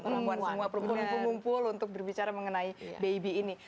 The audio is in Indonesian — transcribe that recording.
semua perempuan ngumpul untuk berbicara mengenai baby ini